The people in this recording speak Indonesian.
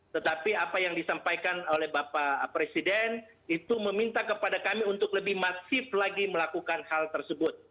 tetapi apa yang disampaikan oleh bapak presiden itu meminta kepada kami untuk lebih masif lagi melakukan hal tersebut